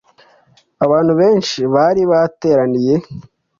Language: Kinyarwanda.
abantu benshi bari bateraniye